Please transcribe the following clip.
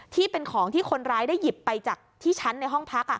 ที่เป็นของที่คนร้ายได้หยิบไปจากที่ชั้นในห้องพัก